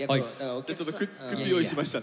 ちょっと靴用意しましたんで。